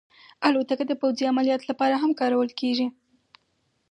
الوتکه د پوځي عملیاتو لپاره هم کارول کېږي.